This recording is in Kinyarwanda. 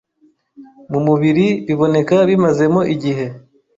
mu mubiri biboneka bimazemo igihe